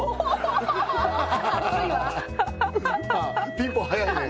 ピンポン早いね